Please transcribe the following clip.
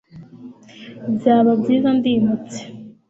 Byaba byiza ndimutse